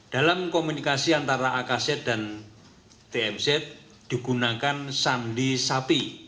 dalam komunikasi antara akz dan tmz digunakan sandi sapi